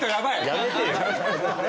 やめてよ。